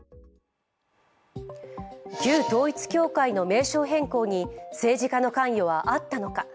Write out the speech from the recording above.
旧統一教会の名称変更に政治家の関与はあったのか。